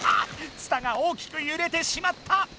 ツタが大きくゆれてしまった！